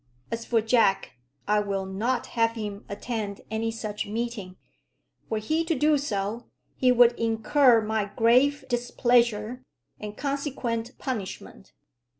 As for Jack, I will not have him attend any such meeting. Were he to do so, he would incur my grave displeasure, and consequent punishment."